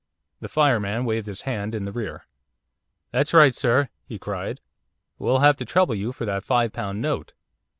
The fireman waved his hand in the rear. 'That's right, sir!' he cried. 'We'll have to trouble you for that five pound note.